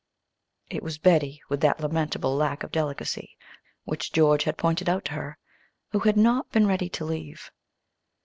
It was Betty, with that lamentable lack of delicacy which George had pointed out to her, who had not been ready to leave.